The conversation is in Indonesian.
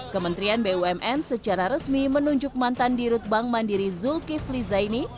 kementerian bumn secara resmi menunjuk mantan dirut bank mandiri zulkifli zaini